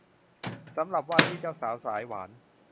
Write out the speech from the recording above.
สำหรับว่าที่เจ้าสาวสายหวาน